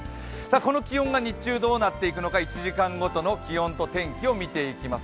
この気温が日中どうなっていくのか１時間ごとの気温と天気を見ていきます。